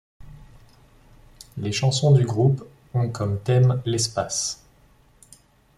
Les chansons du groupe ont comme thème l'espace.